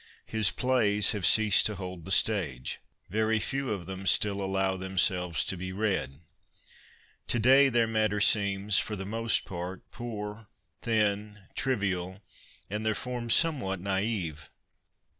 His plays have ceased to hold the stage. Very few of them still allow themselves to be read. To day their matter seems, for the most part, poor, thin, trivial, and their form somewhat naive.